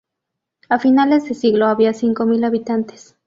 A finales de siglo había cinco mil habitantes.